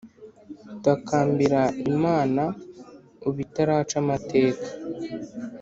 Takambira imana ubu itaraca amateka